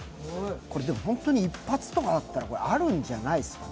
本当に一発とかだったらあるんじゃないですか。